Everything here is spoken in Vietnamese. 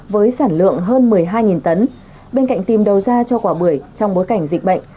với sản lượng hơn một mươi hai tấn bên cạnh tìm đầu ra cho quả bưởi trong bối cảnh dịch bệnh